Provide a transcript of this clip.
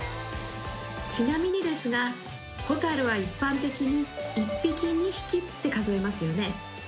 ちなみにですがホタルは一般的に１匹２匹って数えますよね。